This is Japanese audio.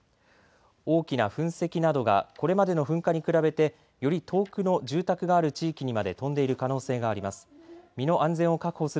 大きな噴石などがこれまでの噴火に比べてより遠くの住宅がある地域にまで飛んでいる可能性があります。